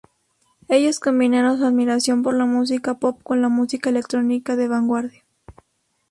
Ellos combinaron su admiración por la música pop con la música electrónica de vanguardia.